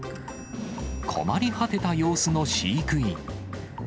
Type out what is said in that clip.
困り果てた様子の飼育員。